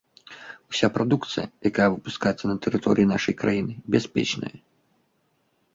Уся прадукцыя, якая выпускаецца на тэрыторыі нашай краіны, бяспечная.